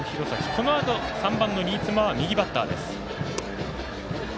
このあと３番の新妻は右バッターです。